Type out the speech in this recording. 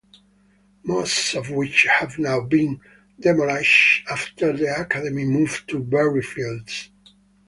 Most of which have now been demolished after the academy moved to Berryfields.